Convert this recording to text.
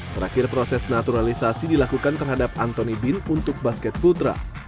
terakhir proses naturalisasi dilakukan terhadap anthony bin untuk basket putra